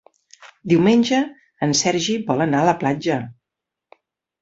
Diumenge en Sergi vol anar a la platja.